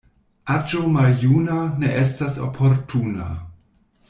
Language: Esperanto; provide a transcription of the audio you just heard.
Aĝo maljuna ne estas oportuna.